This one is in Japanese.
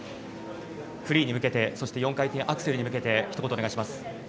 フリーに向けてそして、４回転アクセルに向けてひと言、お願いします。